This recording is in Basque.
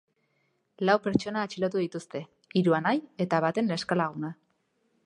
Lau pertsona atxilotu dituzte, hiru anai eta baten neskalaguna.